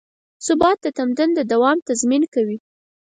ثبات د تمدن د دوام تضمین کوي.